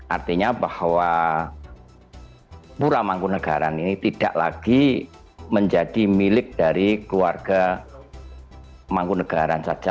artinya bahwa pura mangku negara ini tidak lagi menjadi milik dari keluarga mangku negara saja